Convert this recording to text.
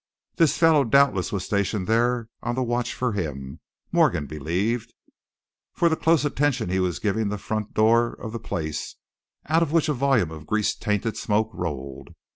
This fellow doubtless was stationed there on the watch for him, Morgan believed, from the close attention he was giving the front door of the place, out of which a volume of grease tainted smoke rolled.